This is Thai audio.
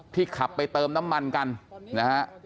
ที่ขับไปเติมน้ำมันกัน